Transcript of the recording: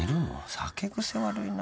酒癖悪いな。